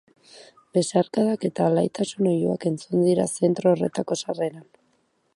Besarkadak eta alaitasun oihuak entzun dira zentro horretako sarreran.